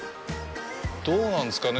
どうなんですかね？